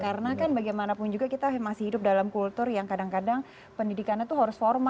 karena kan bagaimanapun juga kita masih hidup dalam kultur yang kadang kadang pendidikannya tuh harus formal